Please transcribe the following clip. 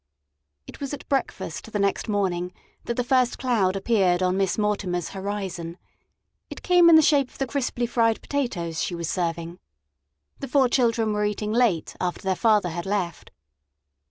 It was at breakfast the next morning that the first cloud appeared on Miss Mortimer's horizon. It came in the shape of the crisply fried potatoes she was serving. The four children were eating late after their father had left.